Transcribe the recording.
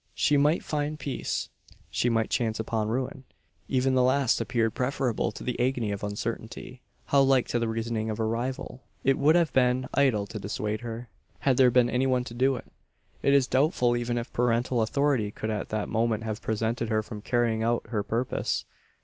She might find peace she might chance upon ruin. Even the last appeared preferable to the agony of uncertainty. How like to the reasoning of her rival! It would have been idle to dissuade her, had there been any one to do it. It is doubtful even if parental authority could at that moment have prevented her from carrying out her purpose.